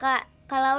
balik lagi ke sini